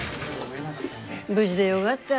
無事でよがった。